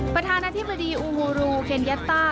ประธานาธิบดีอูโฮรูเคนยัตต้า